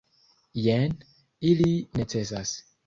Jen, ili necesas.